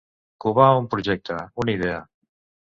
Covar un projecte, una idea.